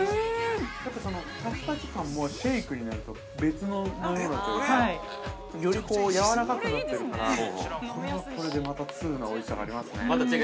ぱちぱち感もシェイクになると、別の飲み物というか、よりこうやわらかくなってるから、これはこれでまたツウなおいしさがありますね。